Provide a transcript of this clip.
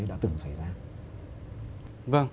đã từng xảy ra